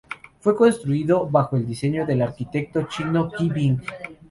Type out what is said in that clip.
Fue construido bajo el diseño del arquitecto chino Qi Bing.